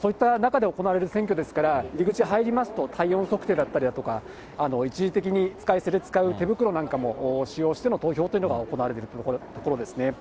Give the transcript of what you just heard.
そういった中で行われる選挙ですから、入り口入りますと、体温測定だったりだとか、一時的に使い捨てで使う手袋なんかを使用しての投票というのが行われているところですね。